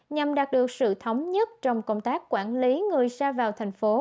nhằm đạt được sự thống nhất trong công tác quản lý người ra vào thành phố